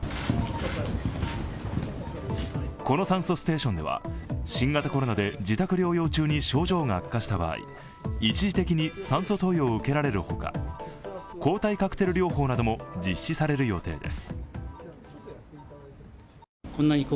この酸素ステーションでは新型コロナで自宅療養中に症状が悪化した場合、一時的に酸素投与を受けられる他抗体カクテル療法なども実施される予定です。